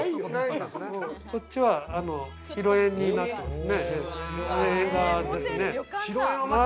こっちは広縁になってますね。